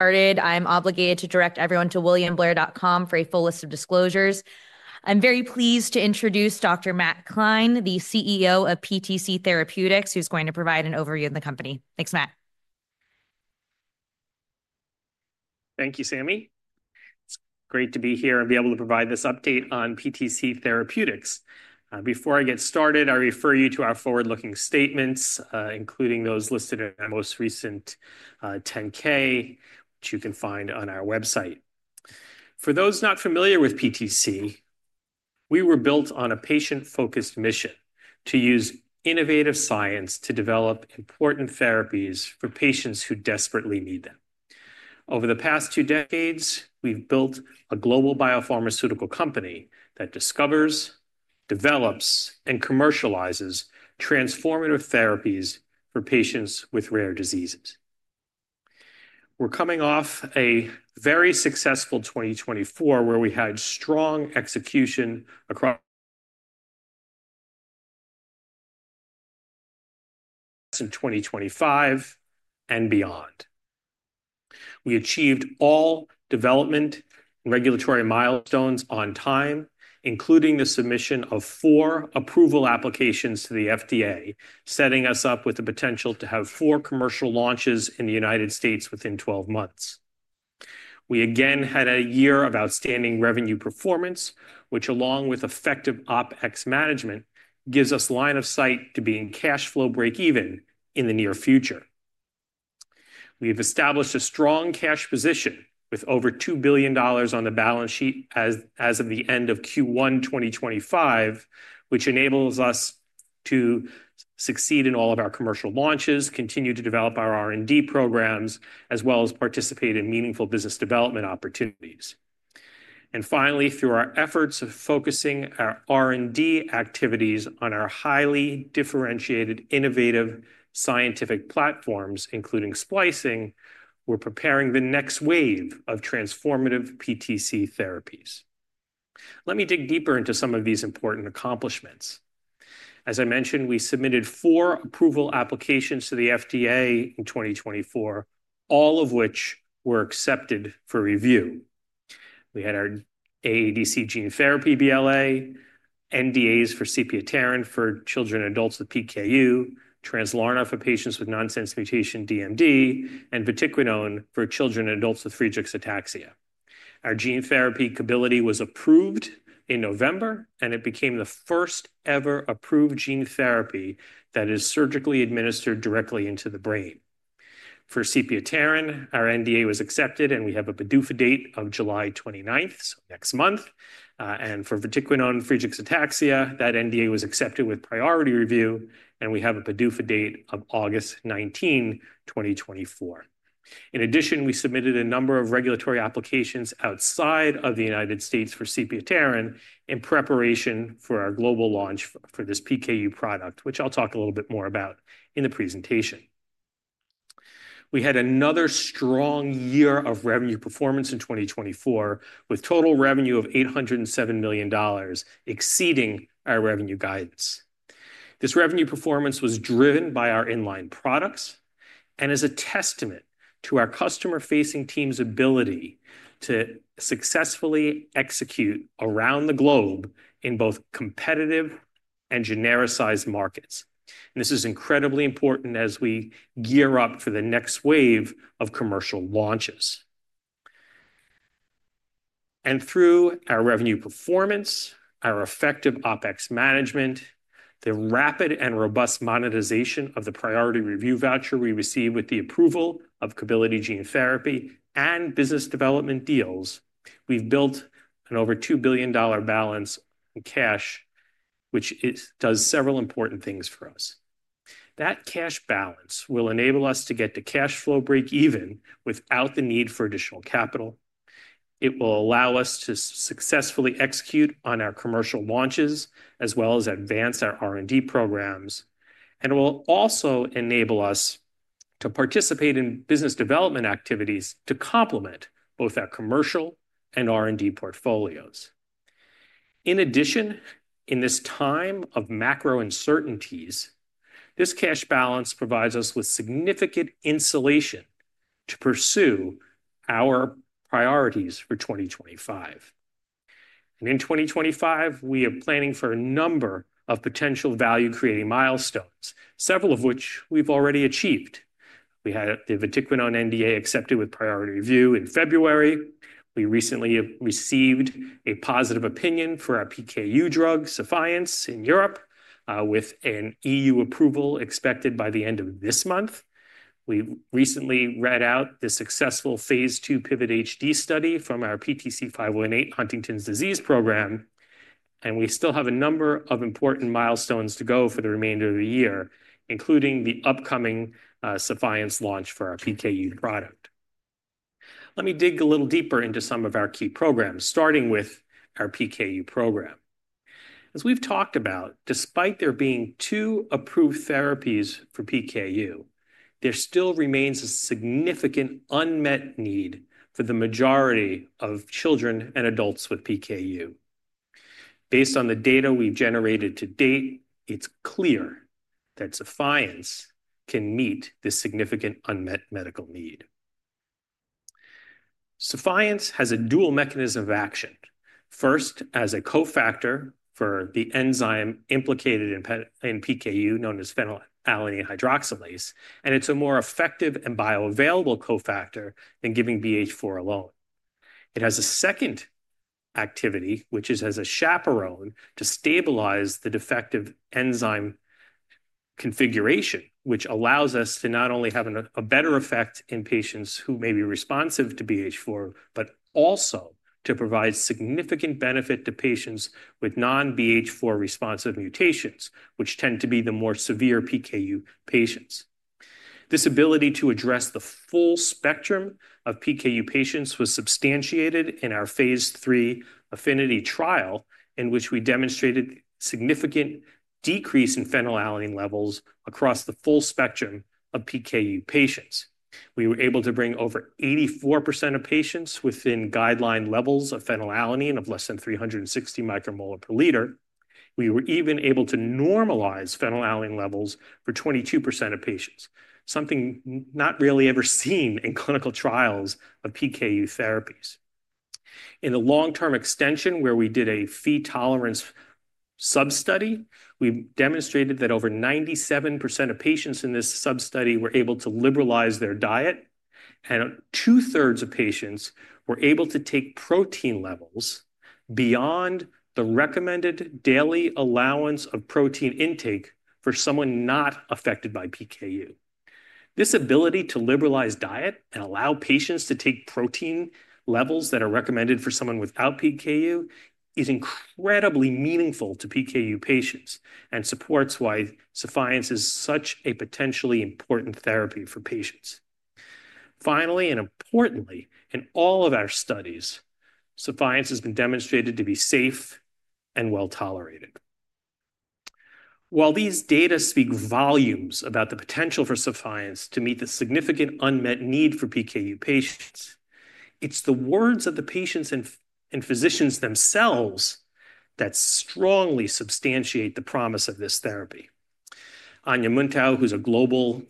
Started. I'm obligated to direct everyone to williamblair.com for a full list of disclosures. I'm very pleased to introduce Dr. Matt Klein, the CEO of PTC Therapeutics, who's going to provide an overview of the company. Thanks, Matt. Thank you, Sammy. It's great to be here and be able to provide this update on PTC Therapeutics. Before I get started, I refer you to our forward-looking statements, including those listed in our most recent 10-K, which you can find on our website. For those not familiar with PTC, we were built on a patient-focused mission to use innovative science to develop important therapies for patients who desperately need them. Over the past two decades, we've built a global biopharmaceutical company that discovers, develops, and commercializes transformative therapies for patients with rare diseases. We're coming off a very successful 2024, where we had strong execution across 2025 and beyond. We achieved all development and regulatory milestones on time, including the submission of four approval applications to the FDA, setting us up with the potential to have four commercial launches in the United States within 12 months. We again had a year of outstanding revenue performance, which, along with effective OpEx management, gives us line of sight to being cash flow break-even in the near future. We have established a strong cash position with over $2 billion on the balance sheet as of the end of Q1 2025, which enables us to succeed in all of our commercial launches, continue to develop our R&D programs, as well as participate in meaningful business development opportunities. Finally, through our efforts of focusing our R&D activities on our highly differentiated, innovative scientific platforms, including splicing, we're preparing the next wave of transformative PTC therapies. Let me dig deeper into some of these important accomplishments. As I mentioned, we submitted four approval applications to the FDA in 2024, all of which were accepted for review. We had our AADC gene therapy BLA, NDAs for Sepiapterin for children and adults with PKU, Translarna for patients with nonsense mutation DMD, and Vatiquinone for children and adults with Friedreich's ataxia. Our gene therapy KEBILIDI was approved in November, and it became the first-ever approved gene therapy that is surgically administered directly into the brain. For Sepiapterin, our NDA was accepted, and we have a PDUFA date of July 29th, next month. For Vatiquinone Friedreich's ataxia, that NDA was accepted with priority review, and we have a PDUFA date of August 19, 2024. In addition, we submitted a number of regulatory applications outside of the United States for Sepiapterin in preparation for our global launch for this PKU product, which I'll talk a little bit more about in the presentation. We had another strong year of revenue performance in 2024, with total revenue of $807 million, exceeding our revenue guidance. This revenue performance was driven by our inline products and is a testament to our customer-facing team's ability to successfully execute around the globe in both competitive and genericized markets. This is incredibly important as we gear up for the next wave of commercial launches. Through our revenue performance, our effective OpEx management, the rapid and robust monetization of the priority review voucher we received with the approval of KEBILIDI gene therapy, and business development deals, we've built an over $2 billion balance in cash, which does several important things for us. That cash balance will enable us to get to cash flow break-even without the need for additional capital. It will allow us to successfully execute on our commercial launches, as well as advance our R&D programs. It will also enable us to participate in business development activities to complement both our commercial and R&D portfolios. In addition, in this time of macro uncertainties, this cash balance provides us with significant insulation to pursue our priorities for 2025. In 2025, we are planning for a number of potential value-creating milestones, several of which we've already achieved. We had the vatiquinone NDA accepted with priority review in February. We recently received a positive opinion for our PKU drug, Sephiences, in Europe, with an EU approval expected by the end of this month. We recently read out the successful phase II PIVOT-HD Study from our PTC 518 Huntington's disease program. We still have a number of important milestones to go for the remainder of the year, including the upcoming Sephiences launch for our PKU product. Let me dig a little deeper into some of our key programs, starting with our PKU program. As we've talked about, despite there being two approved therapies for PKU, there still remains a significant unmet need for the majority of children and adults with PKU. Based on the data we've generated to date, it's clear that Sephiences can meet this significant unmet medical need. Sephiences has a dual mechanism of action. First, as a cofactor for the enzyme implicated in PKU, known as phenylalanine hydroxylase, and it's a more effective and bioavailable cofactor than giving BH4 alone. It has a second activity, which is as a chaperone to stabilize the defective enzyme configuration, which allows us to not only have a better effect in patients who may be responsive to BH4, but also to provide significant benefit to patients with non-BH4 responsive mutations, which tend to be the more severe PKU patients. This ability to address the full spectrum of PKU patients was substantiated in our phase III affinity trial, in which we demonstrated significant decrease in phenylalanine levels across the full spectrum of PKU patients. We were able to bring over 84% of patients within guideline levels of phenylalanine of less than 360 micromolar per liter. We were even able to normalize phenylalanine levels for 22% of patients, something not really ever seen in clinical trials of PKU therapies. In the long-term extension, where we did a Phe tolerance sub-study, we demonstrated that over 97% of patients in this sub-study were able to liberalize their diet, and two-thirds of patients were able to take protein levels beyond the recommended daily allowance of protein intake for someone not affected by PKU. This ability to liberalize diet and allow patients to take protein levels that are recommended for someone without PKU is incredibly meaningful to PKU patients and supports why Sephiences is such a potentially important therapy for patients. Finally, and importantly, in all of our studies, Sephiences has been demonstrated to be safe and well tolerated. While these data speak volumes about the potential for Sephiences to meet the significant unmet need for PKU patients, it's the words of the patients and physicians themselves that strongly substantiate the promise of this therapy. Ania Muntau, who's a global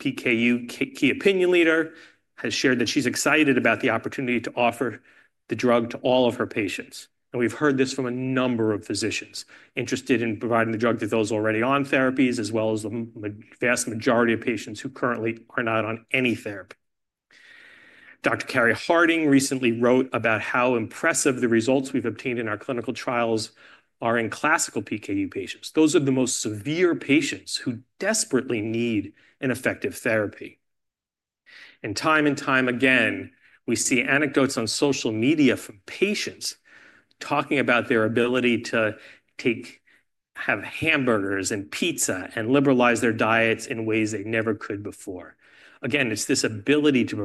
PKU key opinion leader, has shared that she's excited about the opportunity to offer the drug to all of her patients. We've heard this from a number of physicians interested in providing the drug to those already on therapies, as well as the vast majority of patients who currently are not on any therapy. Dr. Cary Harding recently wrote about how impressive the results we've obtained in our clinical trials are in classical PKU patients. Those are the most severe patients who desperately need an effective therapy. Time and time again, we see anecdotes on social media from patients talking about their ability to have hamburgers and pizza and liberalize their diets in ways they never could before. Again, it's this ability to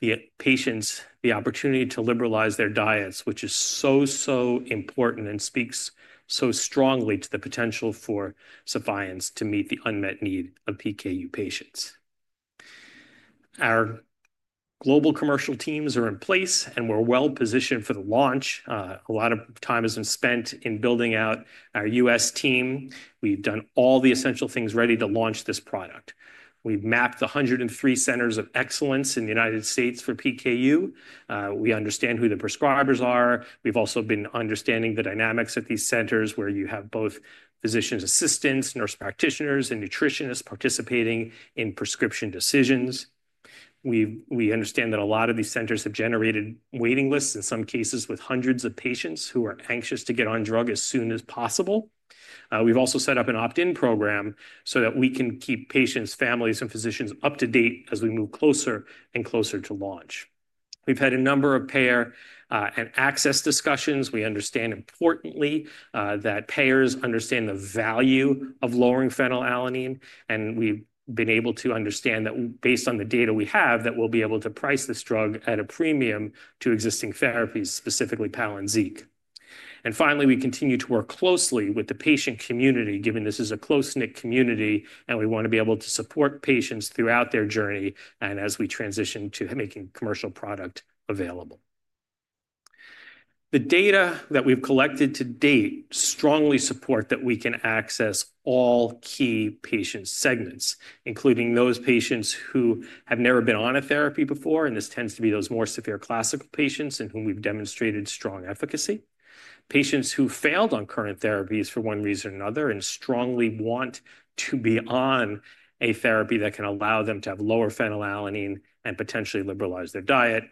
provide the patients the opportunity to liberalize their diets, which is so, so important and speaks so strongly to the potential for Sephiences to meet the unmet need of PKU patients. Our global commercial teams are in place, and we're well positioned for the launch. A lot of time has been spent in building out our U.S. team. We've done all the essential things ready to launch this product. We've mapped 103 Centers of Excellence in the United States for PKU. We understand who the prescribers are. We've also been understanding the dynamics at these centers, where you have both physician assistants, nurse practitioners, and nutritionists participating in prescription decisions. We understand that a lot of these centers have generated waiting lists, in some cases with hundreds of patients who are anxious to get on drug as soon as possible. We've also set up an opt-in program so that we can keep patients, families, and physicians up to date as we move closer and closer to launch. We've had a number of payer and access discussions. We understand, importantly, that payers understand the value of lowering phenylalanine, and we've been able to understand that, based on the data we have, that we'll be able to price this drug at a premium to existing therapies, specifically Palynziq. Finally, we continue to work closely with the patient community, given this is a close-knit community, and we want to be able to support patients throughout their journey and as we transition to making commercial product available. The data that we've collected to date strongly support that we can access all key patient segments, including those patients who have never been on a therapy before, and this tends to be those more severe classical patients in whom we've demonstrated strong efficacy, patients who failed on current therapies for one reason or another and strongly want to be on a therapy that can allow them to have lower phenylalanine and potentially liberalize their diet,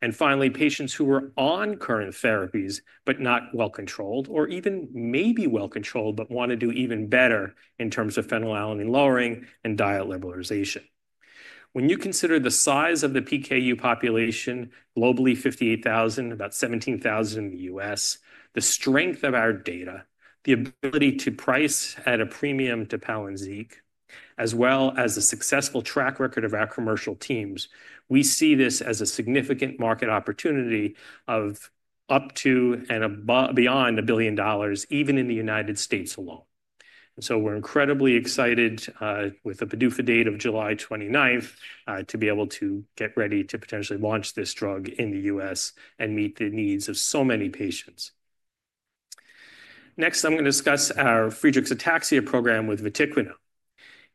and finally, patients who were on current therapies but not well controlled, or even maybe well controlled, but want to do even better in terms of phenylalanine lowering and diet liberalization. When you consider the size of the PKU population, globally 58,000, about 17,000 in the U.S., the strength of our data, the ability to price at a premium to Palynziq, as well as the successful track record of our commercial teams, we see this as a significant market opportunity of up to and beyond $1 billion, even in the United States alone. We are incredibly excited with a PDUFA date of July 29th to be able to get ready to potentially launch this drug in the U.S. and meet the needs of so many patients. Next, I'm going to discuss our Friedreich's ataxia program with vatiquinone.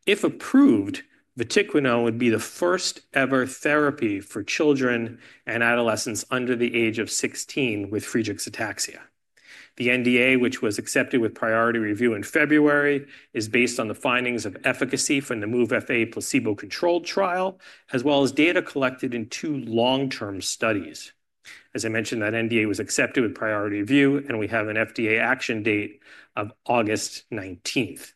If approved, vatiquinone would be the first-ever therapy for children and adolescents under the age of 16 with Friedreich's ataxia. The NDA, which was accepted with priority review in February, is based on the findings of efficacy from the MOVE-FA placebo-controlled trial, as well as data collected in two long-term studies. As I mentioned, that NDA was accepted with priority review, and we have an FDA action date of August 19th.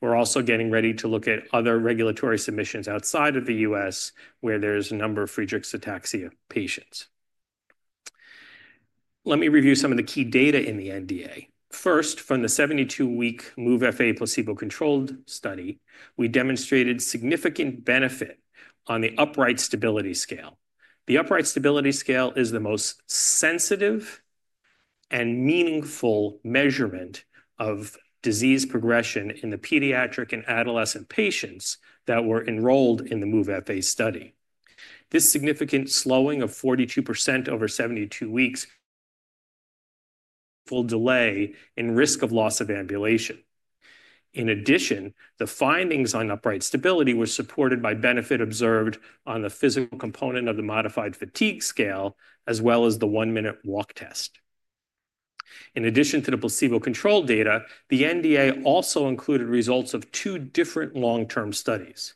We're also getting ready to look at other regulatory submissions outside of the U.S., where there's a number of Friedreich's ataxia patients. Let me review some of the key data in the NDA. First, from the 72-week MOVE-FA placebo-controlled study, we demonstrated significant benefit on the upright stability scale. The upright stability scale is the most sensitive and meaningful measurement of disease progression in the pediatric and adolescent patients that were enrolled in the MOVE-FA study. This significant slowing of 42% over 72 weeks full delay in risk of loss of ambulation. In addition, the findings on upright stability were supported by benefit observed on the physical component of the modified fatigue scale, as well as the one-minute walk test. In addition to the placebo-controlled data, the NDA also included results of two different long-term studies.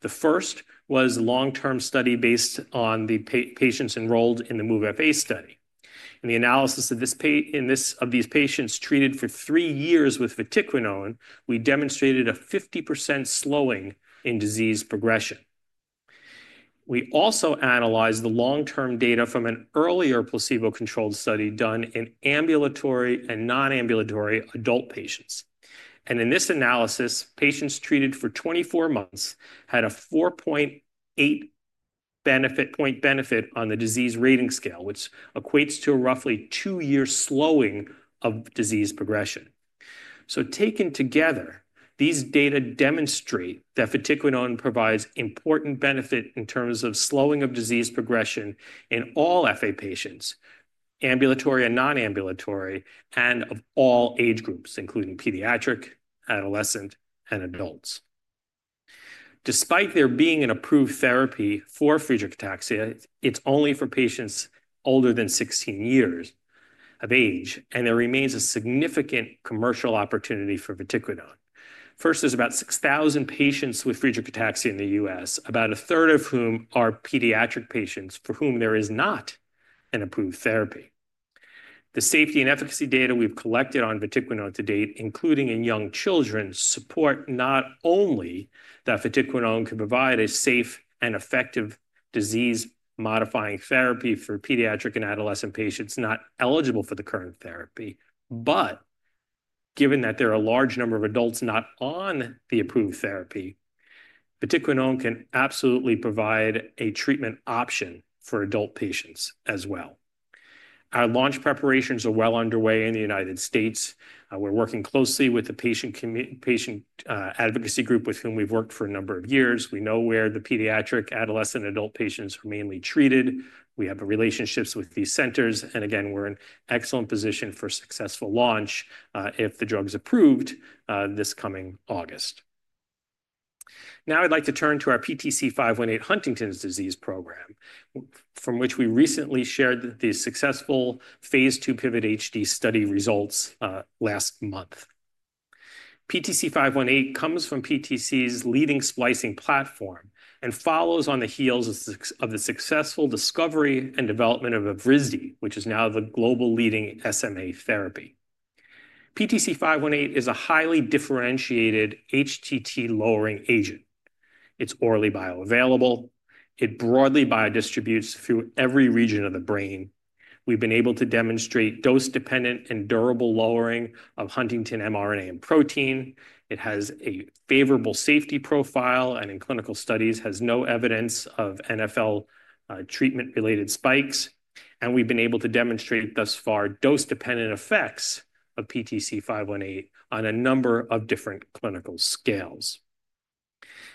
The first was a long-term study based on the patients enrolled in the MOVE-FA study. In the analysis of these patients treated for three years with vatiquinone, we demonstrated a 50% slowing in disease progression. We also analyzed the long-term data from an earlier placebo-controlled study done in ambulatory and non-ambulatory adult patients. In this analysis, patients treated for 24 months had a 4.8 point benefit on the disease rating scale, which equates to a roughly two-year slowing of disease progression. Taken together, these data demonstrate that vatiquinone provides important benefit in terms of slowing of disease progression in all Friedreich's ataxia patients, ambulatory and non-ambulatory, and of all age groups, including pediatric, adolescent, and adults. Despite there being an approved therapy for Friedreich's ataxia, it's only for patients older than 16 years of age, and there remains a significant commercial opportunity for vatiquinone. First, there's about 6,000 patients with Friedreich's ataxia in the U.S., about a third of whom are pediatric patients for whom there is not an approved therapy. The safety and efficacy data we've collected on vatiquinone to date, including in young children, support not only that vatiquinone can provide a safe and effective disease-modifying therapy for pediatric and adolescent patients not eligible for the current therapy, but given that there are a large number of adults not on the approved therapy, vatiquinone can absolutely provide a treatment option for adult patients as well. Our launch preparations are well underway in the United States. We're working closely with the patient advocacy group with whom we've worked for a number of years. We know where the pediatric, adolescent, and adult patients are mainly treated. We have relationships with these centers, and again, we're in excellent position for a successful launch if the drug is approved this coming August. Now, I'd like to turn to our PTC 518 Huntington's disease program, from which we recently shared the successful phase II PIVOT-HD Study results last month. PTC 518 comes from PTC's leading splicing platform and follows on the heels of the successful discovery and development of Evrysdi, which is now the global leading SMA therapy. PTC 518 is a highly differentiated HTT lowering agent. It's orally bioavailable. It broadly biodistributes through every region of the brain. We've been able to demonstrate dose-dependent and durable lowering of Huntington mRNA and protein. It has a favorable safety profile and, in clinical studies, has no evidence of NFL treatment-related spikes. We've been able to demonstrate thus far dose-dependent effects of PTC 518 on a number of different clinical scales.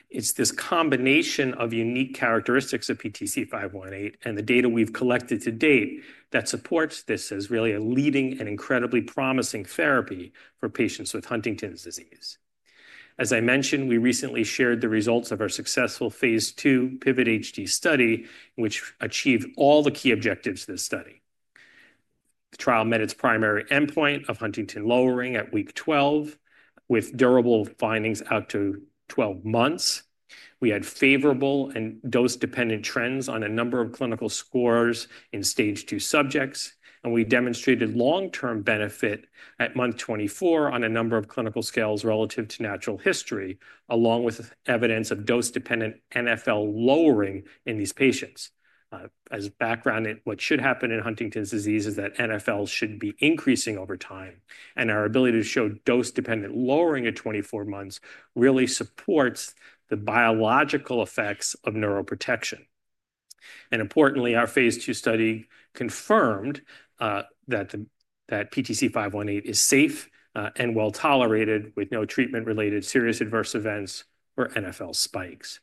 It's this combination of unique characteristics of PTC 518 and the data we've collected to date that supports this as really a leading and incredibly promising therapy for patients with Huntington's disease. As I mentioned, we recently shared the results of our successful phase II PIVOT-HD Study, which achieved all the key objectives of this study. The trial met its primary endpoint of Huntington lowering at week 12, with durable findings out to 12 months. We had favorable and dose-dependent trends on a number of clinical scores in stage two subjects, and we demonstrated long-term benefit at month 24 on a number of clinical scales relative to natural history, along with evidence of dose-dependent NFL lowering in these patients. As background, what should happen in Huntington's disease is that NFL should be increasing over time, and our ability to show dose-dependent lowering at 24 months really supports the biological effects of neuroprotection. Importantly, our phase II study confirmed that PTC 518 is safe and well tolerated with no treatment-related serious adverse events or NFL spikes.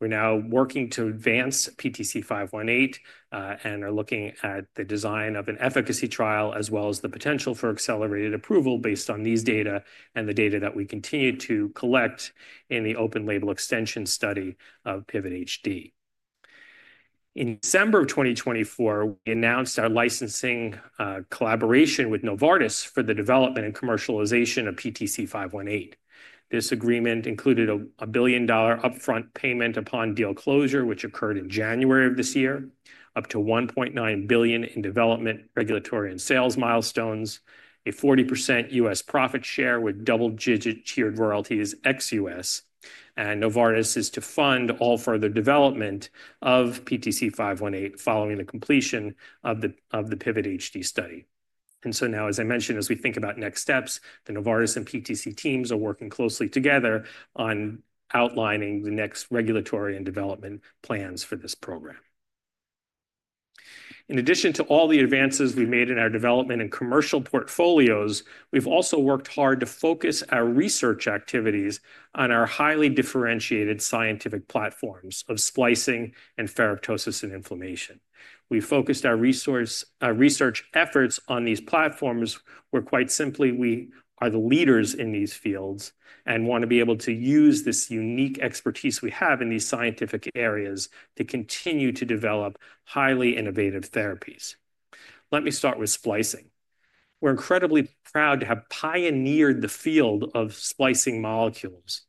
We're now working to advance PTC 518 and are looking at the design of an efficacy trial, as well as the potential for accelerated approval based on these data and the data that we continue to collect in the open label extension study of PIVOT-HD. In December of 2024, we announced our licensing collaboration with Novartis for the development and commercialization of PTC 518. This agreement included a $1 billion upfront payment upon deal closure, which occurred in January of this year, up to $1.9 billion in development, regulatory, and sales milestones, a 40% U.S. profit share with double-digit tiered royalties ex U.S. and Novartis is to fund all further development of PTC 518 following the completion of the PIVOT-HD Study. As I mentioned, as we think about next steps, the Novartis and PTC teams are working closely together on outlining the next regulatory and development plans for this program. In addition to all the advances we've made in our development and commercial portfolios, we've also worked hard to focus our research activities on our highly differentiated scientific platforms of splicing and ferroptosis and inflammation. We focused our research efforts on these platforms where, quite simply, we are the leaders in these fields and want to be able to use this unique expertise we have in these scientific areas to continue to develop highly innovative therapies. Let me start with splicing. We're incredibly proud to have pioneered the field of splicing molecules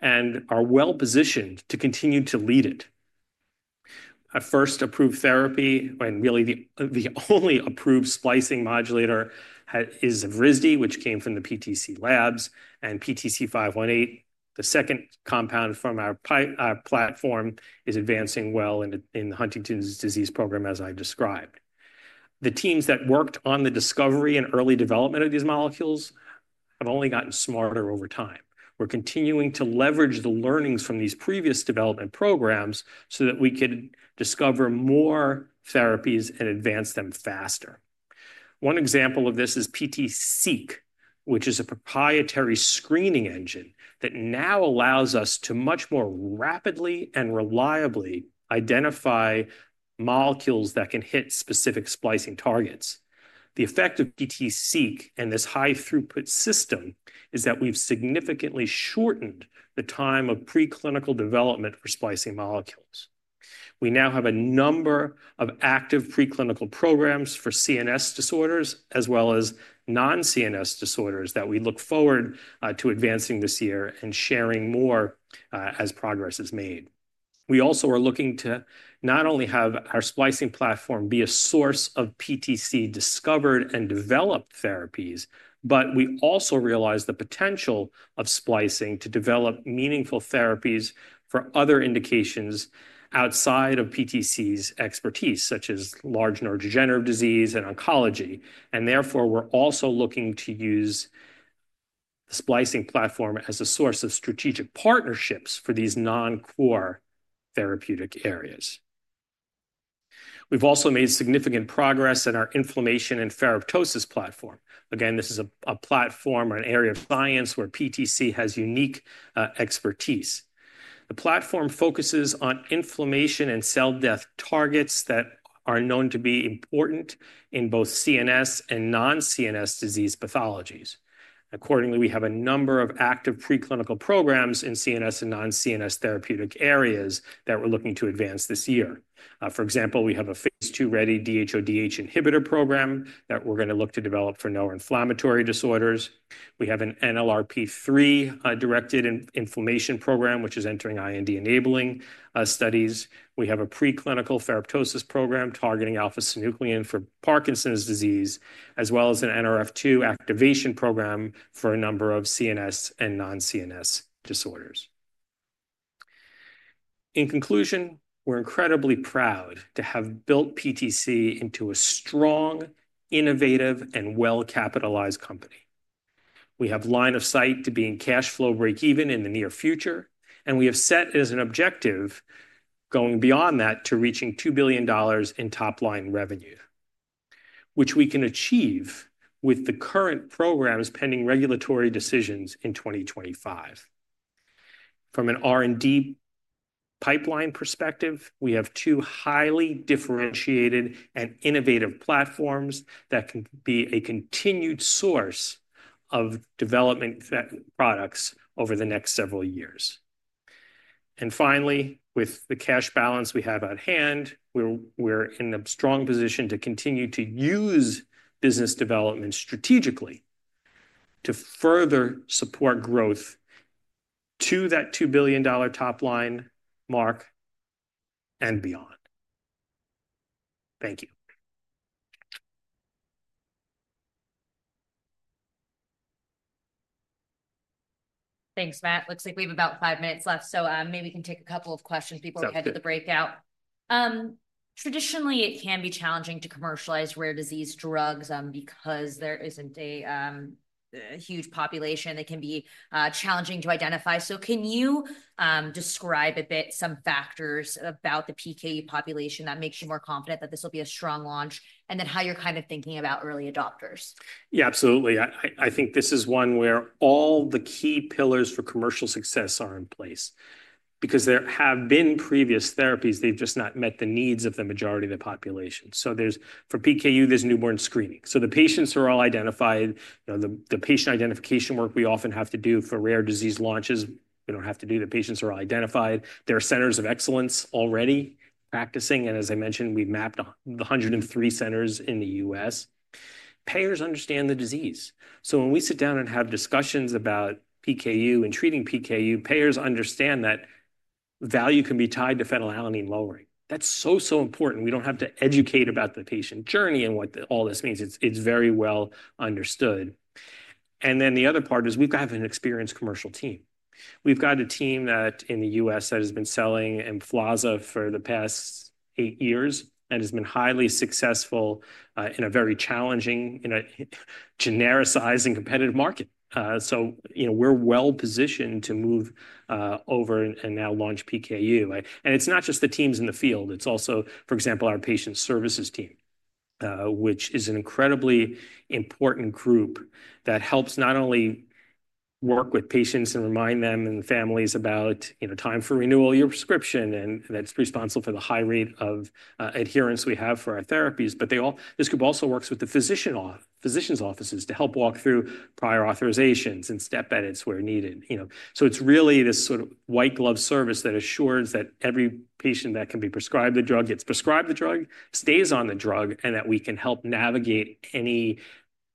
and are well positioned to continue to lead it. Our first approved therapy, and really the only approved splicing modulator, is Evrysdi, which came from the PTC Labs, and PTC 518, the second compound from our platform, is advancing well in the Huntington's disease program, as I described. The teams that worked on the discovery and early development of these molecules have only gotten smarter over time. We're continuing to leverage the learnings from these previous development programs so that we could discover more therapies and advance them faster. One example of this is PTC, which is a proprietary screening engine that now allows us to much more rapidly and reliably identify molecules that can hit specific splicing targets. The effect of PTC and this high-throughput system is that we've significantly shortened the time of preclinical development for splicing molecules. We now have a number of active preclinical programs for CNS disorders, as well as non-CNS disorders that we look forward to advancing this year and sharing more as progress is made. We also are looking to not only have our splicing platform be a source of PTC discovered and developed therapies, but we also realize the potential of splicing to develop meaningful therapies for other indications outside of PTC's expertise, such as large neurodegenerative disease and oncology. Therefore, we're also looking to use the splicing platform as a source of strategic partnerships for these non-core therapeutic areas. We've also made significant progress in our inflammation and ferroptosis platform. Again, this is a platform or an area of science where PTC has unique expertise. The platform focuses on inflammation and cell death targets that are known to be important in both CNS and non-CNS disease pathologies. Accordingly, we have a number of active preclinical programs in CNS and non-CNS therapeutic areas that we're looking to advance this year. For example, we have a phase II ready DHODH inhibitor program that we're going to look to develop for neuroinflammatory disorders. We have an NLRP3 directed inflammation program, which is entering IND enabling studies. We have a preclinical ferroptosis program targeting alpha-synuclein for Parkinson's disease, as well as an NRF2 activation program for a number of CNS and non-CNS disorders. In conclusion, we're incredibly proud to have built PTC into a strong, innovative, and well-capitalized company. We have line of sight to being cash flow break-even in the near future, and we have set as an objective going beyond that to reaching $2 billion in top-line revenue, which we can achieve with the current programs pending regulatory decisions in 2025. From an R&D pipeline perspective, we have two highly differentiated and innovative platforms that can be a continued source of development products over the next several years. Finally, with the cash balance we have at hand, we're in a strong position to continue to use business development strategically to further support growth to that $2 billion top-line mark and beyond. Thank you. Thanks, Matt. Looks like we have about five minutes left, so maybe we can take a couple of questions before we head to the breakout. Traditionally, it can be challenging to commercialize rare disease drugs because there is not a huge population that can be challenging to identify. Can you describe a bit some factors about the PKU population that makes you more confident that this will be a strong launch and then how you are kind of thinking about early adopters? Yeah, absolutely. I think this is one where all the key pillars for commercial success are in place because there have been previous therapies. They have just not met the needs of the majority of the population. For PKU, there is newborn screening. The patients are all identified. The patient identification work we often have to do for rare disease launches, we do not have to do. The patients are all identified. There are Centers of Excellence already practicing. As I mentioned, we have mapped the 103 centers in the U.S. Payers understand the disease. When we sit down and have discussions about PKU and treating PKU, payers understand that value can be tied to phenylalanine lowering. That's so, so important. We don't have to educate about the patient journey and what all this means. It's very well understood. The other part is we've got an experienced commercial team. We've got a team in the U.S. that has been selling EMFLAZA for the past eight years and has been highly successful in a very challenging, genericized, and competitive market. We're well positioned to move over and now launch PKU. It's not just the teams in the field. It's also, for example, our patient services team, which is an incredibly important group that helps not only work with patients and remind them and families about time for renewal of your prescription, and that's responsible for the high rate of adherence we have for our therapies. This group also works with the physicians' offices to help walk through prior authorizations and step edits where needed. It is really this sort of white-glove service that assures that every patient that can be prescribed the drug gets prescribed the drug, stays on the drug, and that we can help navigate any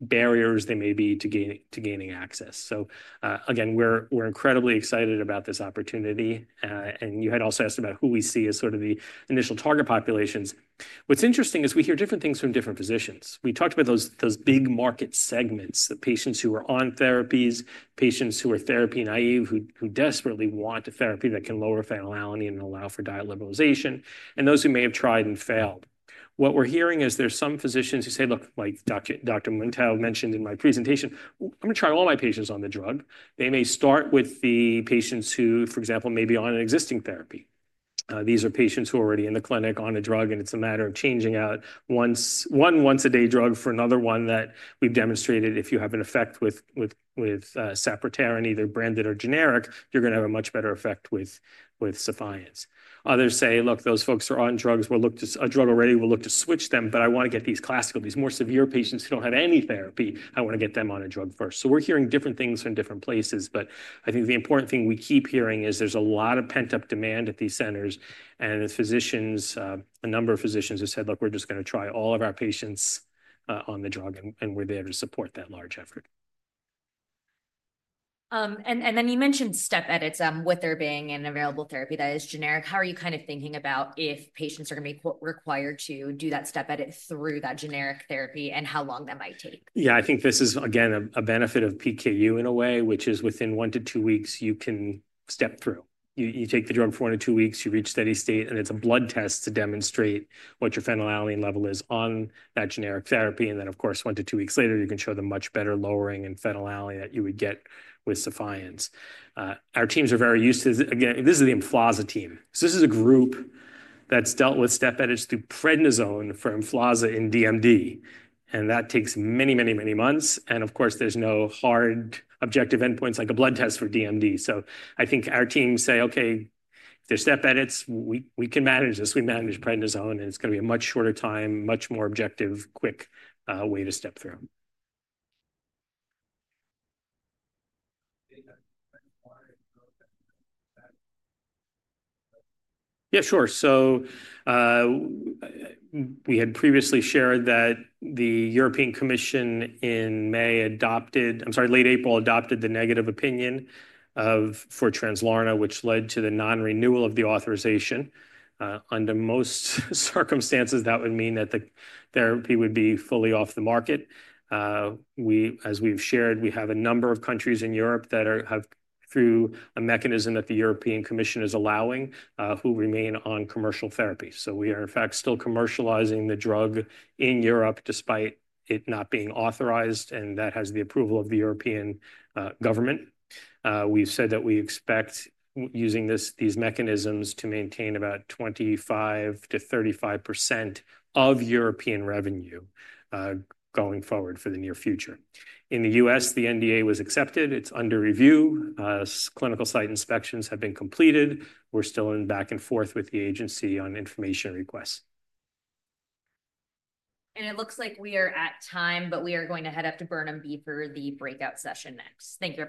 barriers there may be to gaining access. We are incredibly excited about this opportunity. You had also asked about who we see as sort of the initial target populations. What's interesting is we hear different things from different physicians. We talked about those big market segments, the patients who are on therapies, patients who are therapy naive, who desperately want a therapy that can lower phenylalanine and allow for diet liberalization, and those who may have tried and failed. What we're hearing is there's some physicians who say, "Look, like Dr. Muntau mentioned in my presentation, I'm going to try all my patients on the drug." They may start with the patients who, for example, may be on an existing therapy. These are patients who are already in the clinic on a drug, and it's a matter of changing out one once-a-day drug for another one that we've demonstrated if you have an effect with Sepiapterin, either branded or generic, you're going to have a much better effect with Sephiance. Others say, "Look, those folks are on drugs. We'll look to a drug already. We'll look to switch them, but I want to get these classical, these more severe patients who don't have any therapy. I want to get them on a drug first. We're hearing different things from different places. I think the important thing we keep hearing is there's a lot of pent-up demand at these centers. A number of physicians have said, "Look, we're just going to try all of our patients on the drug, and we're there to support that large effort." You mentioned step edits, whether being an available therapy that is generic. How are you kind of thinking about if patients are going to be required to do that step edit through that generic therapy and how long that might take? Yeah, I think this is, again, a benefit of PKU in a way, which is within one to two weeks, you can step through. You take the drug for one to two weeks, you reach steady state, and it's a blood test to demonstrate what your phenylalanine level is on that generic therapy. And then, of course, one to two weeks later, you can show them much better lowering in phenylalanine that you would get with Sephience. Our teams are very used to this. Again, this is the EMFLAZA Team. This is a group that's dealt with step edits through prednisone for EMFLAZA in DMD. That takes many, many, many months. Of course, there's no hard objective endpoints like a blood test for DMD. I think our teams say, "Okay, if there's step edits, we can manage this. We manage prednisone, and it's going to be a much shorter time, much more objective, quick way to step through. Yeah, sure. So we had previously shared that the European Commission in May adopted, I'm sorry, late April adopted the negative opinion for Translarna, which led to the non-renewal of the authorization. Under most circumstances, that would mean that the therapy would be fully off the market. As we've shared, we have a number of countries in Europe that have, through a mechanism that the European Commission is allowing, who remain on commercial therapies. We are, in fact, still commercializing the drug in Europe despite it not being authorized, and that has the approval of the European government. We've said that we expect using these mechanisms to maintain about 25%-35% of European revenue going forward for the near future. In the U.S., the NDA was accepted. It's under review. Clinical site inspections have been completed. We're still in back and forth with the agency on information requests. It looks like we are at time, but we are going to head up to Burnham Bee for the breakout session next. Thank you.